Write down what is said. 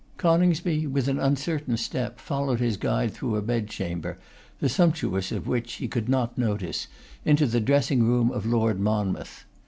Coningsby with an uncertain step followed his guide through a bed chamber, the sumptuousness of which he could not notice, into the dressing room of Lord Monmouth.